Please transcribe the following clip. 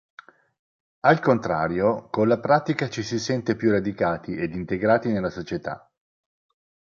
Al contrario, con la pratica ci si sente più radicati ed integrati nella società.